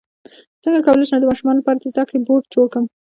څنګه کولی شم د ماشومانو لپاره د زده کړې بورډ جوړ کړم